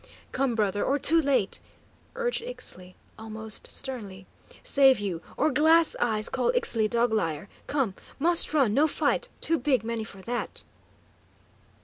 "Come, brother, or too late," urged Ixtli, almost sternly. "Save you, or Glass eyes call Ixtli dog liar. Come; must run, no fight; too big many for that."